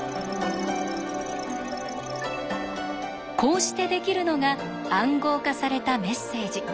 こうしてできるのが暗号化されたメッセージ。